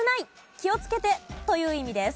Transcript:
気をつけて！」という意味です。